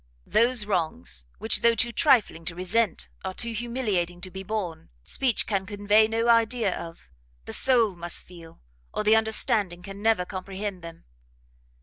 Those wrongs, which though too trifling to resent, are too humiliating to be borne, speech can convey no idea of; the soul must feel, or the understanding can never comprehend them."